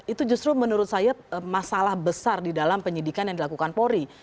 itu justru menurut saya masalah besar di dalam penyidikan yang dilakukan polri